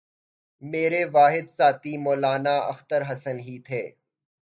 میرے واحد ساتھی مولانا اختر احسن ہی تھے